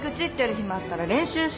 暇あったら練習したら？